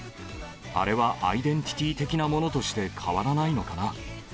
あれはアイデンティティー的なものとして変わらないのかな。